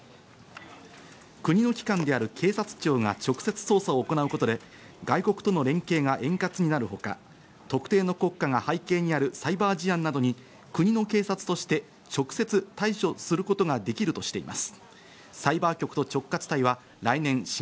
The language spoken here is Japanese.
国の機関である警察庁が直接捜査を行うことで、外国との連携が円滑になるほか、特定の国家が背景にあるサイバー事案などに国の警察として直接対処することができるとしています。